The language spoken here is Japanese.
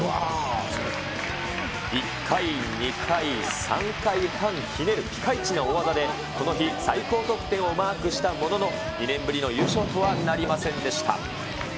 １回、２回、３回半ひねるピカイチな大技で、この日、最高得点をマークしたものの、２年ぶりの優勝とはなりませんでした。